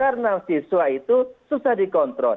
karena itu susah dikontrol